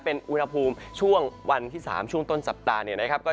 เป็นอุณหภูมิช่วงวันที่๓ช่วงต้นสัปดาห์เนี่ยนะครับ